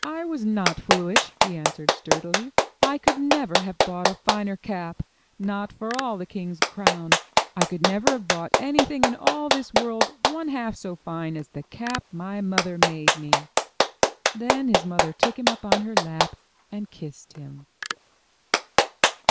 '1 was not foolish," he answered sturdily, *'I could never have bought a finer cap, not for all the king's crown. I could never have bought anything in all this world one half so fine as the cap my mother made me 1" Then his mother took him up on her lap, and kissed him.